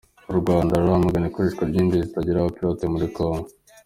U Rwanda ruramagana ikoreshwa ry’indege zitagira abapilote muri kongo